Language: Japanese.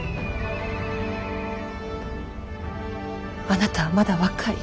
あなたはまだ若い。